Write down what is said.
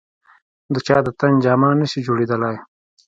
د چا د تن جامه نه شي جوړېدای.